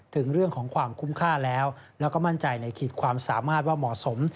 ถึงเรื่องของความคุ้มค่าแล้วแล้วก็มั่นใจในขีดความสามารถว่าเหมาะสม